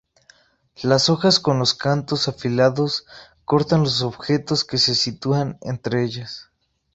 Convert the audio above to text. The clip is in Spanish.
Las hojas con los cantos afilados cortan los objetos que se sitúan entre ellas.